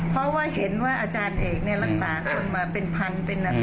เพราะว่าเห็นว่าอาจารย์เอกรักษากันมาเป็นพัง